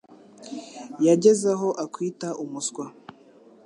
Yageze aho akwita umuswa.